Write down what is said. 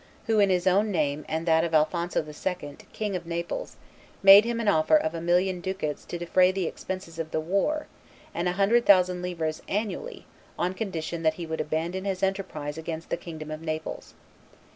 who in his own name and that of Alphonso II., King of Naples, made him an offer of a million ducats to defray the expenses of the war, and a hundred thousand livres annually, on condition that he would abandon his enterprise against the kingdom of Naples.